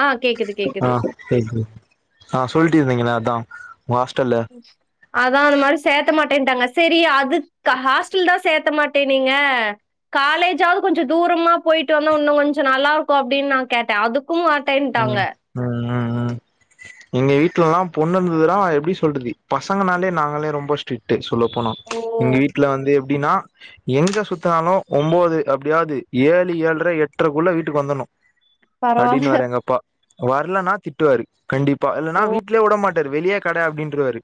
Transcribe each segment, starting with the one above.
ஆ கேக்குது ஆ கேக்குது கேகுது ஆ சொல்ட்டு இருந்திங்கல அதா உங்க ஹாஸ்டல்ல அதா அந்த மாரி சேத்த மாட்டேன்ட்டாங்க சேரி அதுக்கு ஹாஸ்டல் தா சேத்த மாட்டேனீங்க காலேஜாவ்து கொஞ்சொ தூரமா போயிட்டு வந்தா இன்னொ கொஞ்சொ நல்லா இருக்கு அப்டின் நா கேட்டே அது க்கும் ம் மாட்டேன்ட்டாங்க ம் ம் ம் எங்க வீட்லலா பொண்ணுந்ததுனா எப்டி சொல்றது பசங்கனாலே நாங்களே ரொம்பொ ஸ்டிட் டு சொல்ல போனோ ஓ எங்க வீட்ல வந்து எப்டின்னா எங்க சுத்துனாலு ஒம்போது அப்டியாது ஏழு ஏழ்ற எட்றக்குள்ள வீட்டுக்கு வந்தணு அப்டின்னு பரவால்ல வாரு எங்கப்பா வர்லான திட்டுவாரு கண்டிப்பா இல்லன்னா வீட்லே விடமாட் டாரு வெளியே கெட அப்டின்றுவாரு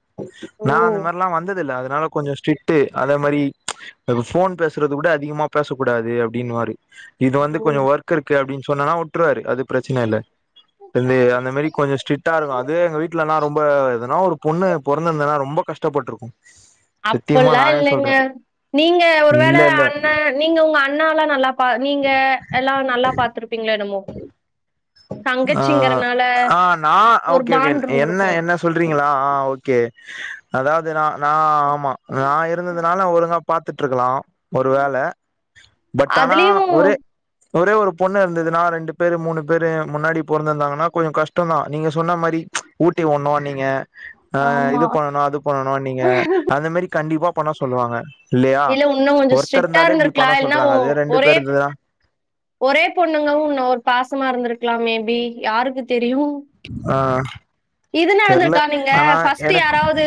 ஓ நா அந்த மாரிலா வந்ததில்ல அதுனால கொஞ்சொ ஸ்டிட்டு அத மாரி [unintelligible] ஃபோன் பேசுறது கூட அதிகமா பேசக் கூடாது அப்டின்னுவாரு இது வந்து கொஞ்சோ ம் ஒர்க் இருக்கு அப்டின்னு சொன்னன்னா உட்ருவாரு அது பிரச்சன இல்ல து வந்து அந்த மாரி கொஞ்சோ ஸ்ட்ரிக்டா இருக்கு அதுவே எங்க வீட் லலா ரொம்ப எதுனா ஒரு பொண்ணு பொறந்திருந்தேன்னா ரொம்போ கஷ்டப்பட்ருக்கு சத்தியமா அப்பல்லா நானே இல்லங்க சொல்றே நீங்க ஒரு இல்ல வேள இல்ல அண்ண நீங்க உங்க அண்ணா எல்லா நல்லா பா நீங்க எல்லா நல்லா பாத்துருப்பீங்களோ என்னமோ ஆ தங்கச்சிங்கறனால ஆ நா ஒரு ஓகே ஓகே பாண்ட் என்ன இருந்திருக்கு என்ன சொல்றீங்களா ஆ ஓகே அதாது நா ஆமா நா இருந்ததுனால ஒழுங்கா பாத்துட்டு இருக்கலா ஒரு வேள பட் ஆனா அதுலயு ஒரே ஒரே ஒரு பொண்ணு இருந்ததுன்னா ரெண்டு பேரு மூணு பேரு முன்னாடி பொறந்திருந்தாங்கன்னா கொஞ்சோ கஷ்டோந்தா நீங்க சொன்ன மாரி ஊட்டி உட்ணு நீங்க ஆ ஆமா இது பண்ணனு அது பண்ணனும் நீங்க அந்த மாரி கண்டிப்பா பண்ண சொல்லுவாங்க இல்லயா இல்ல உன்னு கொஞ்சோ ஒருத்தர் ஸ்ட்ரிக்டா இருந்தாலே இப்டி இருந்திருக்கலா பண்ண இல்லன்னா சொல்றாங்க அதே ரெண்டு ஒரே பேர் இருந்ததுனா ஒரே பொண்ணுங்கவு இன்னு ஒரு பாசமா இருந்துருக்கலா மேபி யாருக்கு தெரியு ஆ இது தெர்ல நடந்திருக்கா நீங்க ஆனா ஃபஸ்ட்டு எனக்கு யாராது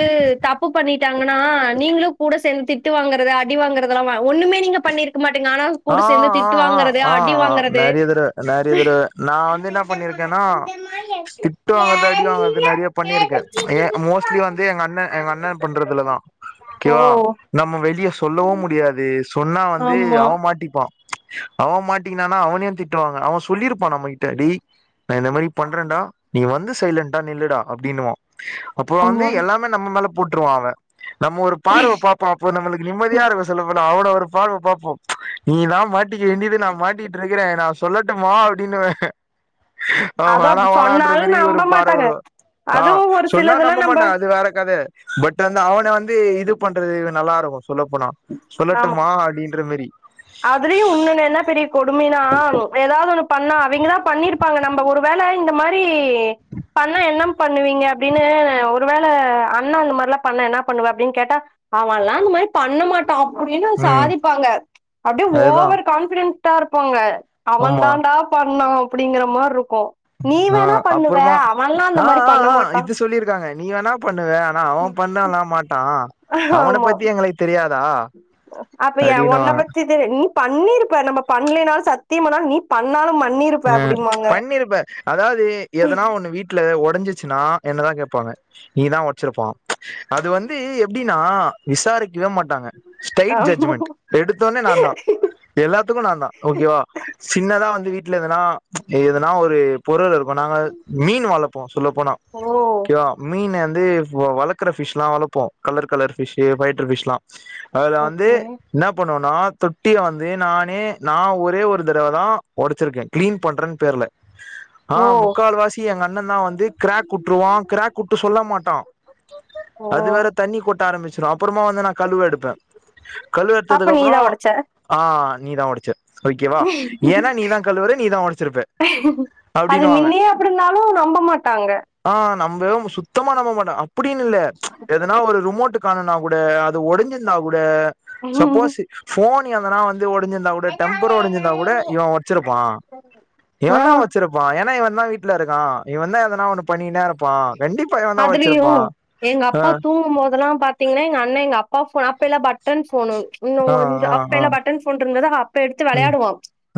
தப்பு பண்ணிட்டாங்கன்னா நீங்களு கூட சேந்து திட்டு வாங்கறது அடி வாங்கறதெல்லா ஒண்ணுமே நீங்க பண்ணிருக்க மாட்டீங்க ஆனா ஆ கூட சேந்து ஆ ஆ திட்டு வாங்கறது ஆ அடி ஆ வாங்கறது நெறையா தடவ நெறைய தடவ நா வந்து என்ன பண்ணியிருக்கேன்னா திட்டு வாங்கறது அடி வாங்கறது நெறய பண்ணியிருக்கே ஏ மோஸ்ட்லி வந்து எங்க அண்ண எங்க அண்ண பண்றதுலதா ஓகேவா ஓ நம்ம வெளிய சொல்லவும் முடியாது சொன்னா வந்து ஆமா அவ மாட் ட்டிப்பா அவ மாட்டிக்கினாங்கனா அவனையு திட்டுவாங்க அவ சொல்லிருப்பா நம்மக்கிட்ட டேய் நா இந்த மாரி பண்றேன்டா நீ வந்து சைலன்டா நில்லுடா அப்டின்னுவா அப்புறோ வந்து ஆமா எல்லாமே நம்ம மேல போட்டுருவா அவ நம்ம ஒரு பார்வ பாப்பா அப்ப நம்மளுக்கு நிம்மதியா இருக் சொல்ல போனா அவன ஒரு பார்வ பாப்போ நீ தா மாட்டிக்க வேண்டியது நா மாட்டிட்டு இருக்கிற நா சொல்லட்டுமா அப்டின்னுவ அவ அதா வேணா வேணா என்ற சொன்னாலு மேரி ஒரு நம்ப பார்வ மாட்டாங்க வரு ஆ அதுவு ஒரு சொன்னா சிலதெல்லா நம்ப நம்பமாட்டா அது வேற கத பட் வந்து அவன வந்து இது பண்றது நல்லா இருக்கு சொல்லப்போனா ஆமா சொல்லட்டுமா அப்டின்ற மேரி அதுலயு இன்னொன்னு என்ன பெரிய கொடுமைனா ஏதாவது ஒண்ணு பண்ணா அவிங்கதா பண்ணிருப்பாங்க நம்ப ஒரு வேள இந்த மாரி பண்ணா என்ன பண்ணுவீங்க அப்டின்னு ஒருவேள அண்ணா அந்த மாரிலா பண்ணா என்ன பண்ணுவ அப்டின்னு கேட்டா அவன்லா அந்த மாரி பண்ண மாட் டா அப்டின்னு ம் சாதிப்பாங்க அப்டே அதுதா ஓவர் கான்ஃபிடென்டா இருப்பாங்க அவன் ஆமா தாண்டா பண்ணா அப்டிங்கற மார் இருக்கு ஆ அப்புறமா ஆ மாரி ஆ பண்ண ஆ மாட்டா இது சொல்லியிருக்காங்க நீ வேணா பண்ணுவ ஆனா அவ பண்ணலா மாட்டா அவன ஆமா பத்தி எங்களுக்கு தெரியாதா அப்ப ஏ ஒன்ன அப்டின்னுவாங்க பத்திது நீ பண்ணிருப்ப நம்ப பண்லனாலு சத்தியம் பண்ணாலு நீ பண்ணாலு பண்ணிருப் ம் பண்ணிருப்ப அதாவது எதனா ஒண்ணு வீட்ல ஒடைஞ்சிச்சுன்னா என்னதா கேப்பாங்க நீதா ஒடச்சிருப்பா அது வந்து எப்டின்னா விசாரிக்கவே மாட்டாங்க ஸ்டைட் ஜட்ஜ்மென்ட் எடுத்தோன்னே நான்தா எல்லாத்துக்கு நான்தா ஓகேவா சின்னதா வந்து வீட் ல எதனா எதுனா ஒரு பொருள் இருக்கு நாங்க மீன் வளப் போ சொல்லப் போனா ஓ ஒகேவா மீன் வந்து இப்ப வளக் க்கர ஃபிஷ்லா வளப்போ கலர் கலர் ஃபிஷூ பைட்டர் பிஷ்லா அதுல வந்து ஓகே என்ன பண்ணுவோனா தொட்டிய வந்து நானே நா ஒரே ஒரு தடவை தா ஒடச் சிருக்கே கிளீன் பண்றன் பேர்ல ஆ ஓ முக்கால்வாசி எங்க அண்ணேன் தா வந்து கிராக் வுட்ருவா கிராக் வுட்டு சொல்ல மாட்டா ஓ அது வேற தண்ணி கொட்ட ஆரம்பிச்சிரு அப்றமா வந்து நா கழுவ எடுப்பே கழுவ அப்ப எடுத்ததுக்கு அப்புறோ நீதா ஒடச்ச ஆ நீதா ஒடச்சே ஓகேவா ஏனா நீ தா அது அப்டின்னுவாங்க மின்னேய அப்டி இருந்தாலு நம்ப மாட்டாங்க ஆ நம்பே சுத்தமா நம்ப மாட்டோ அப்டின்னு இல்ல எதனா ஒரு ரிமோட்டு் ரிமோட் காணோனா கூட அது ஒடைஞ்சிருந்தா கூட சப்போஸூ போன் எதனா வந் து ஒடஞ்சிருந்தா கூட டெம்பர் ஒடஞ்சிருந்தா கூட இவ ஒட்ச்சிருப்பா இவன் ஆ தா ஒட்ச்சி ருப்பான் ஏனா இவன் தா வீட்ல இருக்கா இவன் தா எதனா ஒன்னு பண்ணினே இருப்பா கண்டிப்பா இவன் தா ஒட்ச்சிருப்பா ஆ தூங்கும்போதெல்லா பாத் பத்தீங்ன்னா எங்க அண்ணே எங்க அப்பா போனு அப்பயெல்லா பட்டன் போனு இன்னு ஆ கொஞ்சோ ஆ அப்ப ஆ எல்லா பட்டன் போன் இருந்ததா அப்ப எடுத்து ம் வெளயாடுவா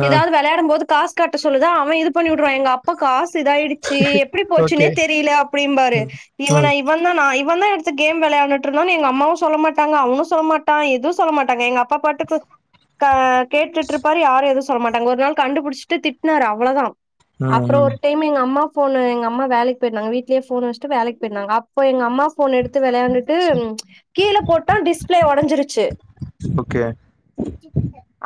ஆ ஏதாவ்து வெளயாடும் போது காசு கட்ட சொல்லுதா அவ இது பண்ணி விட்ருவா எங்க அப்பா காசு இதாயிடுச்சு எப்படி போச் ஓகே சுனே தெரியல அப்டிம்பாரு ம் இவன ம் இப் இவன்தா நா இவன் தா எடுத்து கேம் விளாண்டுட்டு இருந்தானு எங்க அம்மாவு சொல்ல மாட்டாங்க அவனு சொல்ல மாட்டா எதுவு சொல்ல மாட்டாங்க எங்க அப்பா பாட் டுக்கு க கேட்டுட் இருப்பாரு யாரு எதுவு சொல்ல மாட்டாங்க ஒரு நாள் கண்டுபிடிச்சிட்டு திட்னாரு அவ்ளதா ம் அப்றோ ம் ஒரு டைமு எங்க அம்மா போன எங்க அ அம்மா வேலைக்கு போயிருந்தாங்க வீட்லே போன் வச்சுட்டு வேலைக்கு போயிருந்தாங்க அப்ப எங்க அம்மா போன எடுத்து வெளாண்டுட்டு கீழ போட்டா டிஸ்பிளே உடஞ்சிருச்சு ஓகே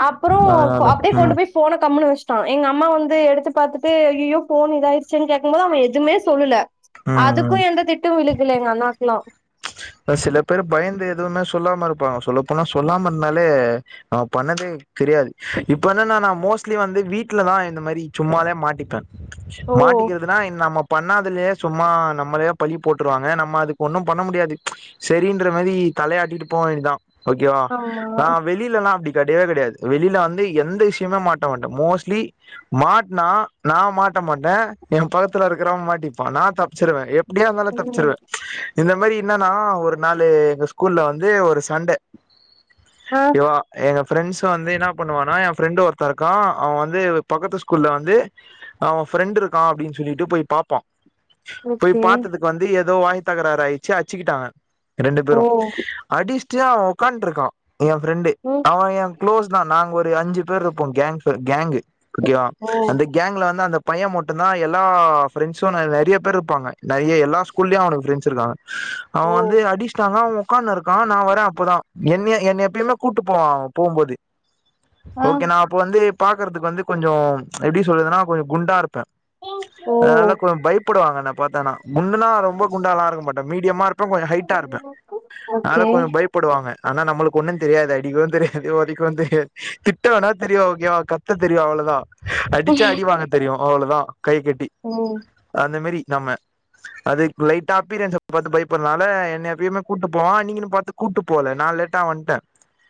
அப்றோ அதனால அப்டியே கொண்டு ம் போய் போன கம்முனு வச்சுட்டா எங்க அம்மா வந்து எடுத்து பாத்தட்டு ஐய்யயோ போன் இதாயிடுச்சுன் கேக்கும் போது அவ எ எதுமே சொல்லல ம் ம் அதுக்கு எந்த திட்டு விழுகல எங்க அண்ணாக்குலா சில பேர் பயந்து எதுவுமே சொல்லாம இருப்பாங்க சொல்ல போனா சொல்லாம இருந்தாலே அவ பண்ணதே தெரியாது இப்பென்ன நா மோஸ்ட்லி வந்து வீட்லதா இந்த மாரி சும்மாதா மாட்டிப்பே ஓ மாட்டிகிறதுன்னா இன் நம்ம பண்ணாதுலே சும்மா நம்மலயே பழி போட்டுருவாங்க நம்ம அதுக்கு ஒன்னு பண்ண முடியாது சரின்ற மாதி தலையாட்டிட்டு போவ வேண்டியதா ஓகேவா ஆமா நா வெளியிலல்லா அப்டி கெடயவே கெடயாது வெளில வந்து எந்த விஷ்யமே மாட்ட மாட்டே மோஸ்ட்லி மாட்னா நா மாட்ட மாட்டே எ பக்கத்துல இருக்கிறவ மாட்டிப்பா நா தப்ச்சிருவே எப் எப்டியா இருந்தாலு ம் தப்ச்சிருவே இந்த மாரி என்னன்னா ஒரு நாளு எங்க ஸ்கூல்ல வந்து ஒரு சண்ட ஆ ஓகேவா எங்க ஃப்ரெண்ட்ஸ் வந்து என்ன பண்ணுவானா என் ஃப்ரெண்டு ஒருத்த இருக்கா அவ வந்து பக்கத்து ஸ்கூல்ல வந்து அவ ஃப்ரண்டு இருக்கா அப்டின் சொல்லிட்டு போய் பாப் போ போய் ஓகே பாத்ததுக்கு வந்து ஏதோ வாய் தகராறு ஆயிச்சு அச்சுக்கிட்டாங்க ரெண்டு ஓ பேரு அடிச்ட்டு அவ உக்காந்து இருக்கா எ ஃப்ரெண்டு ம் அவ எ குளோஸ் தா நாங்க ஒரு அஞ்சு பேரு இருப்போ கேங் கேங்கு ஓகேவா ஓ அந்த கேங்க்ல வந்து அந்த பைய மட்டுந்தா எல்லா ஃப்ரெண்ட்ஸூ நெறைய பேர் இருப்பாங்க நெறைய எல்லா ஸ்கூல்லயு அவனுக்கு ஃப்ரெண்ட்ஸ் இருக்காங்க அவ ஓ வந்து அடிச்டானா அவ உட்கானுருக்கா நா வரே அப்பதா என்ன என்ன எப்பயுமே கூட்டு போவா போம்போது ஆ ஓகே நா இப்ப வந்து பாக்குறதுக்கு வந்து கொஞ்சோ எபடி சொல்றதுன்னா கொஞ்சோ குண்டா இருப்பே ஓ அதுனால கொ பயப்படுவாங்க என்ன பத்தான்னா குண்டுன்னா ரொம்ப குண்டாலா இருக்க மாட்டே மீடியமா இருப்பே கொஞ்ச ஹைட்டா இருப்பே அனால ஓகே கொஞ்ச பயப் படுவாங்க ஆனா நம்மளுக் ஒன்னு தெரியாது அடிக்கவு தெரியாது ஒதைக்கவு தெரியாது திட்ட வேணா தெரியு ஓகேவா க த்த தெரியு அவ்ள தா அடிச்சா அடி வாங்க தெரியு அவ்ள தா கை கட்டி ம் அந்த மேரி நம்ம அது லைட்டா அப்பீரியன்ஸ பாத்து பயப்பட்ற்னால என்ன எப்பயுமே கூட்டு போவா அன்னைக்கினு பாத்து கூட்டு போல நா லேட்டா வந்ட்டே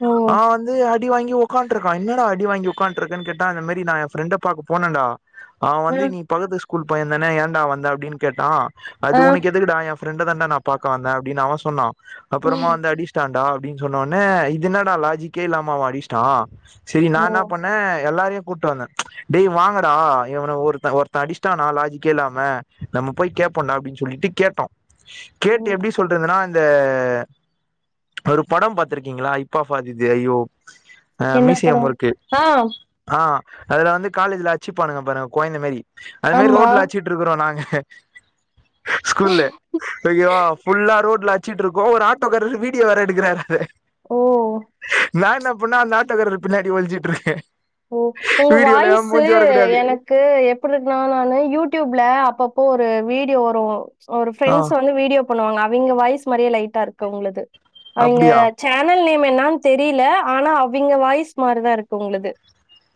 ஓ அவ வந் து அடி வாங்கி உக்காந்ட்ருக்கா என்னடா அடி வாங்கி உக்காந்ட்ருக்கன் கேட்டா இந்த மாரி நா எ ஃப்ரெண்ட பாக்க போனன்டா அவ ஆ வந்து நீ பக்கத்து ஸ்கூல் பையந்தான ஏண்டா வந்த அப்டின் கேட்டா அது ஆ உனக் எதுக்குடா எ ஃப்ரெண்ட தான்டா நா பாக்க வந்த அப்டின் அவ சொன்னா அப்பறமா ம் வந்து அடிஸ் ட்டான்டா அப்டின் சொன்ன உட்னே இது என்னடா லாஜிக்கே இல்லாம அவ அடிஸ்ட்டா செரி நா ஓ என்னா பண்ணே எல்லாரயு கூட்டு வந்தே டேய் வாங்கடா இவன ஒருத்த ஒருத்த அடிஸ்ட்டானா லாஜிக்கே இல்லாம நம்ம போய் கேப் போன்டா அப்டின் சொல்லிட்டு கேட்டோ ஓ கேட்டு எப்டி சொல்றதுனா இந்த ஒரு படம் பாத்திருக்கீங்களா ஹிப் ஆஃப் ஆதிது ஐயோ அ என்ன மீசையா படோ முறுக்கு ஆ ஆ அதுல வந்து காலேஜ்ல அச்சுப்பானுங்க பாருங்க கொழ்ந்த மாரி அது மாரி ஆமா ரோட்ல அச்சு ட்ருக்கறோ நாங்க ஸ்கூல்ல ஐயோ ஃபுல்லா ரோட்ல அச்சிட்ருக்கோ ஒரு ஆட்டோக்காரர் வீடியோ வேற எடுக்குறாரு ஓ நா என்ன பண்ணே அந்த ஆட்டோகாரர் பின்னாடி ஒளிஞ்சிட்ருக்கே ஓ உங்க வாய்ஸு வரக்கூடாது எனக் கு எப்பிட்ருக்னா நானு யூடியூப்ல அப்பப்போ ஒரு வீடியோ வரு ஒரு ஆ ஃப்ரெண்ட்ஸ் வந்து வீடியோ பண்ணுவாங்க அவிங்க வாய்ஸ் மாரியே லைட்டா இருக்கு உங்ளுது அவிங்க அப்டியா சேனல் நேம் என்னான் தெரியில ஆனா அவிங்க வாய்ஸ் மாரிதா இருக்கு உங்ளுது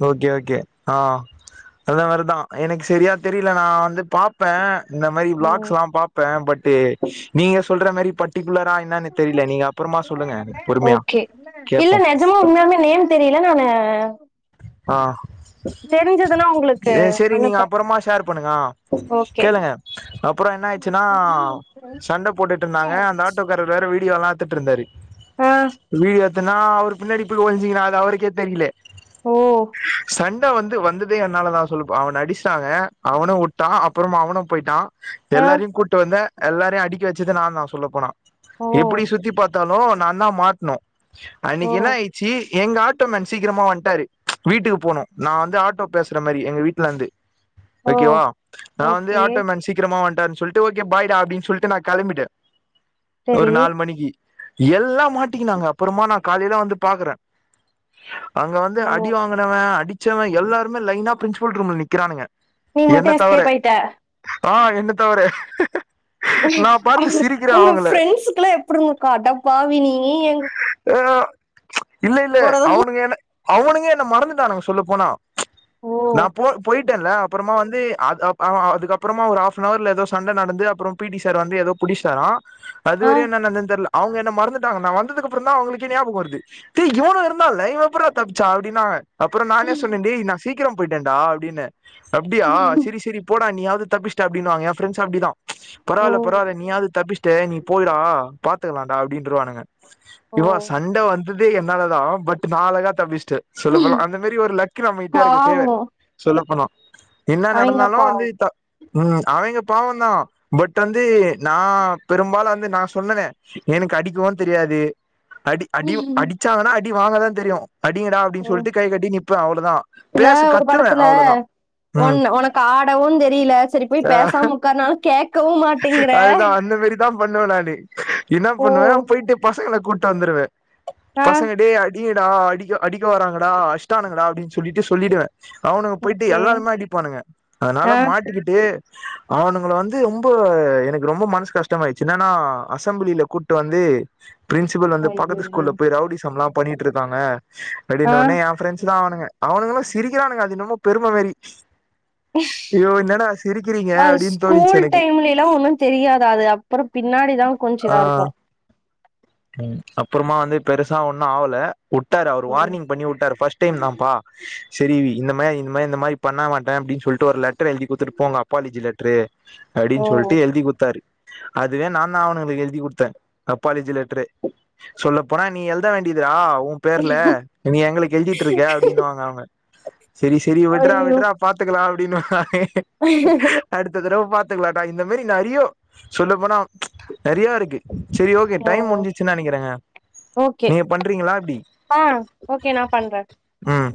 ஓகே ஓகே ஆ அந்த மாரிதா எனக் செரியா தெரியில நா வந்து பாப்பே இந்த மாரி ம். வ்ளாக்ஸ்ல்லா பாப்பே பட்டு் நீங்க சொல்ற மாரி ப ட்டிகுலரா என்னானு தெரில நீங்க அப்பறமா சொல்லுங்க எனக் பொறுமையா ஓகே இல்ல கேப்போ நெஜமா உண்மையாலுமே நேம் தெரியில நானு ஆ தெரிஞ்சதுன்னா உங்களுக்கு அ செரி நீங்க அனுப்புறே அப்பறமா ஷேர் பண்ணுங்க ஆ ஓகே கேளுங்க அப்பறோ என்ன ஆய்ட்ச்சின்னா அப்பனா ஒரு சண்ட மச்சை போட்டுட்ருந்தாங்க அந்த ஆட்டோ காரர் வேற வீடியோலா எத்துட்ருந்தாரு ஆ வீடியோ [unintelligible] நா அவுரு பின்னாடி போய் ஒளிஞ்சிகினே அது அவருக்கே தெரியிலே ஓ சண்ட வந்து வந்ததே என்னாலதா சொல்லுப்ப அவன அடிஸ்ட்டாங்க அவனு உட்டா அப்பறமா அவனு போய்ட்டா ஆ எல்லாரயு கூட்டு வந்தே எல்லாரயு அடிக்க வெச்சது நா தா சொல்லப்போனா ஓ இப்புடி சுத்தி பாத் தாலு நா தா மாட்ணு ஓ அன்னிக்கி என்னா ஆய்ச்சி எங்க ஆட்டோமேன் சீக்கிரமா வந்ட்டாரு வீட்டுக்கு போணு நா வந்து ஆட்டோ பேஸ்ற மாரி எங்க வீட்லந்து ஓ ஓகேவா நா வந்து ஓகே ஆட்டோமேன் சீக்கிரமா வந்ட்டாருன் சொல் ட்டு ஓகே பாய்டா அப்டின் சொல்ட்டு நா கெளம்பிட்டே ஒரு சரி நாலு மணிக்கி எல்லா மாட்டிக்கினாங்க அப்பறமா நா காலைல வந்து பாக்கறே அங்க வந்து அடி ஓ வாங்குனவ அடிச்சவ எல்லாருமே லைனா ப்ரின்ஸ்பல் ரூம்ல நிக்கிறானுங்க நீ என்ன மட்டும் தவர எஸ்கேப் ஆயிட்ட ஆ என்ன தவர நா பாத்து சிரிக்கிறே உங்க அவங்கள ஃப்ரெண்ட்ஸுக்கெல்லா எப்பிட்ருந்துர்க்கு அடப்பாவி நீயி எங்க ஆ இல்லல்ல கூட தா அவனுங்க என்ன அவனுங்க என்ன மறந்துடானுங்க சொல்ல போனா ஓ நா போ போயிட்டேன்ல அப்புறமா வந்து அத் ஆ ஆ அதுக்கப்புறமா ஒரு ஹாஃப் அன் ஹவர்ல ஏதோ சண்ட நடந்து அப்புற பி டி சார் வந்து ஏதோ புடிச்சிட்டாரா ஆ அதுவரையு என்ன நடந்தது தெர்ல அவுங்க என்ன மறந்துட்டாங்க நா வந்ததுக்கு அப்புறந்தா அவுங்களுக்கே ஞாபக வருது டேய் இவனு இருந்தால்ல இவ எப்புட்றா தப்ச்சா அப்டின்னாக அப்புற நானே சொன்னே டேய் நா சீக்கிர போயிட்டேன்டா அப்டின்ன அப்டியா சரி சரி போடா நீயாவது தப்பிசட்ட அப்டின்னுவாங்க ஏ ஃப்ரெண்ட்ஸ் அப்டி தா ஓ பரவாயில்ல பரவாயில்ல நீயாவது தப்ச்சிட்ட நீ போய்டா பாத்துக்கலாம்டா அப்டின்றுவாங்க ஓ இவ சண்ட வந்து ததே என்னால பட் நான் அழகா தப்பிச்சட்ட சொல்லப் போனா அந்த மேரி ஒரு லக்கு நம்மக்கிட்ட இருக்கு பாவோ சொல்லப் போனா என்ன அவிங்க நடந்தாலு பாவோ வந்து த ம் அவங்க பாவம் தா பட் வந்து நா பெரும்பாலு வந்து நா சொன்னனே எனக்கு அடிக்கவு தெரியாது அடி அடி அடிச்சாங்கன்னா அடி வாங்கதா தெரியு அடிங்கடா ஓ அப்டின்னு சொல்ட்டு கை கட்டி நிப்ப அவ்ளதா பேசு கத்துவ அவ்ளதா ஒன்னு ஒனக்கு ஆடவு தெரியல சரி போய் பேசாம உக்காரனாலு கேக்கவு மாட்டேங்கற தா பண்ணுவ நானு என்ன பண்ணுவ போயிட்டு பசங்கள கூட்டு வந்துருவே ஆ பசங்க டேய் அடிங்கடா அடிக்க அடிக் க வராங்கடா அச்சிட்டாங்கடா அப்டின்னு சொல்லிட்டு சொல்லிடுவ அவனுங்க போயிட்டு ஓகே எல்லாருந்தா அடிப்பானுங்க அதனால ஆ மாட்டிக்கிட்டு அவனுங்கள வந்து ரொம்ப எனக்கு ரொம்ப மனசு கஷ்டமாயிச்சு என்னன்னா அசம்பிளில கூட்டு வந்து பிரின்சிபல் வந்து பக்கத்து ஐய்யய்யோ ஸ்கூல்ல போய் ரவுடிசம்லா பண்ணிட்டு இருக்காங்க ஆ அப்டின்னோன்னே ஏ ஃப்ரெண்ட்ஸு தா அவனுங்க அவனுங்களு சிரிக்கிறானுங்க அது என்னமோ பெரும மாரி ஐயோ என்னடா சிரிக்கிறீங்க அது அப்டின்னு தோணிச்சு ஸ்கூல் எனக்கு டைம்ல எல்லாம் ஒன்னு தெரியாதா அது அப்புற பின்னாடிதா கொஞ்ச ஆ இதா இருக்கு ம் அப்புறமா வந்து பெருசா ஒண்ணு ஆவல உட்டாரு அவரு ம் வார்னிங் பண்ணி உட்டாரு ஃபஸ்ட் டைம் தாப்பா செரி இன்னமே இந்த மாரி இந்தமாரி இனி பண்ண மாட்ட அப்டின்னு சொல்லிட்டு ஒரு லெட்டர் எழுதி குடுத்துட்டு போங்க அப்பாலஜி லெட்ரு ஓ அப்டின்னு சொல்லிட்டு எழுதிக் குடுத்தாரு அதுவே நான்தா அவனுங்களுக்கு எழுதி குடுத்த அப்பாலேஜி லெட்டரு சொல்லப் போனா நீ எழுத வேண்டியதுடா ஒம் பேர்ல நீ எங்களுக் எழுதிட்டு இருக்க அப்டின்னுவாங்க அவுங்க சரி சரி விட்றா ஐயோ விட்றா பாத்துக்கலா அப்டின்னுவாய்ங்க அடுத்த தடவ பாத்துக்கலாம்டா இந்த மாரி நெறைய சொல்ல போனா நெறையா இருக்கு செரி ஓகே ஓ டைம் முடிஞ்சிச்சுன்னு நெனைக்கிறேங்க ஓகே நீங்க பண்றீங்களா எப்டி ஆ ஓகே நா பண்ற ம்